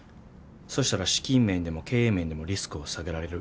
そしたら資金面でも経営面でもリスクを下げられる。